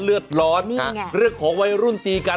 เลือดของวัยรุ่นตีกัน